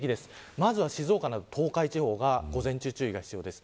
まずは静岡などの東海地方は午前中、注意が必要です。